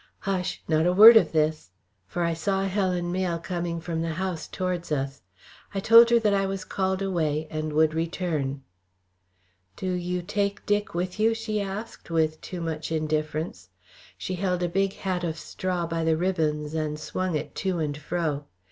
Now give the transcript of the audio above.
Hush! not a word of this!" for I saw Helen Mayle coming from the house towards us. I told her that I was called away, and would return. "Do you take Dick with you?" she asked, with too much indifference. She held a big hat of straw by the ribbons and swung it to and fro.